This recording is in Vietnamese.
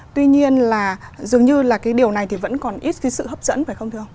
tuy nhiên là dường như là cái điều này thì vẫn còn ít cái sự hấp dẫn phải không thưa ông